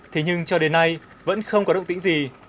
thế nhưng cho đến nay vẫn không có động tĩnh gì